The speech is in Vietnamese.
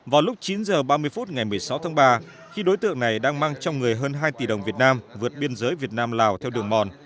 vào lúc chín h ba mươi phút ngày một mươi sáu tháng ba khi đối tượng này đang mang trong người hơn hai tỷ đồng việt nam vượt biên giới việt nam lào theo đường mòn